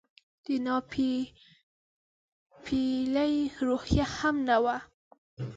د ناپیېلې روحیه هم نه وه.